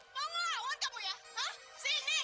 pengawal kamu ya hah sini